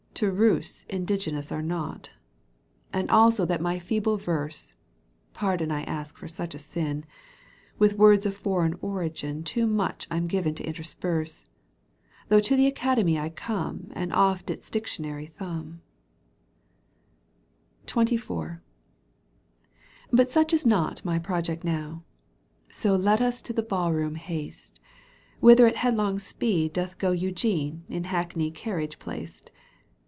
EUGENE ON^QUINK 16 To Russ indigenous are not ; And also that my feeble verse — /Pardon I ask for such a sin — I With words of foreign origin ' Too much I'm given to intersperse, ' Though to the Academy I come And oft its Dictionary thumb.^* XXIV. But such is not my project now, So let us to the baU room haste, Whither at headlong speed doth go Eugene in hackney carriage placed.